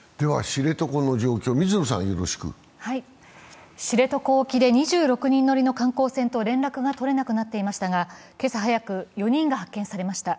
知床沖で２６人乗りの観光船と連絡が取れなくなっていましたが、今朝早く、４人が発見されました。